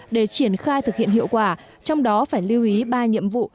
để triển khai thực hiện hiệu quả trong đó phải lưu ý ba nhiệm vụ